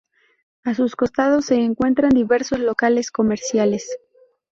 A sus costados se encuentran diversos locales comerciales.